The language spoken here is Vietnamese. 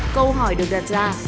câu hỏi được đặt ra